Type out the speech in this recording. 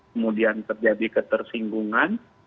kemudian terjadi ketersinggungan